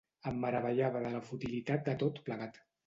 Em meravellava de la futilitat de tot plegat.